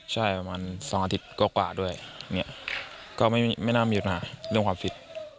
ใช่ประมาณสองอาทิตย์ก็กว่าด้วยเนี้ยก็ไม่มีไม่น่ามีอาหารเรื่องความฟิต